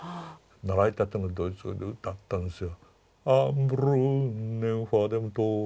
習いたてのドイツ語で歌ったんですよ。